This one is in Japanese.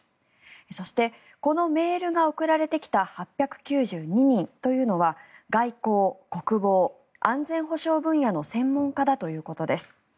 そしてこのメールが送られてきた８９２人というのは外交・国防・安全保障分野の専門家だということです。